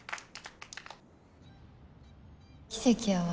奇跡やわ。